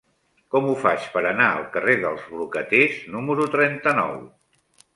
Com ho faig per anar al carrer dels Brocaters número trenta-nou?